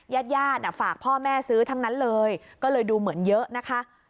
ญาติญาติฝากพ่อแม่ซื้อทั้งนั้นเลยก็เลยดูเหมือนเยอะนะคะ